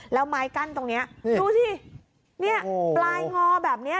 แล้วไม้กั้นตรงนี้ดูสิเนี่ยปลายงอแบบนี้